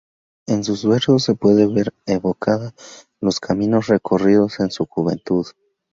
En sus versos se puede ver evocada los caminos recorridos en su juventud.